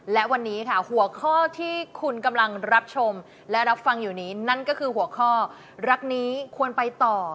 และวันนี้ค่ะหัวข้อที่คุณกำลังรับชมและรับฟังอยู่นี้